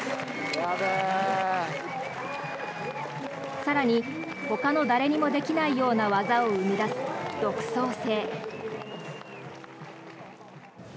更にほかの誰にもできないような技を生み出す独創性。